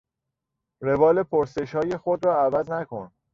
روال پرسشهای خود را عوض نکن.